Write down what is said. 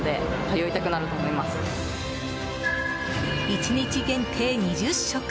１日限定２０食！